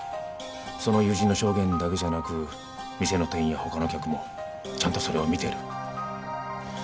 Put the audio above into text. その友人の証言だけじゃなく店の店員や他の客もちゃんとそれを見ている。